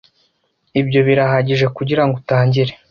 ibyo birahagije kugirango utangire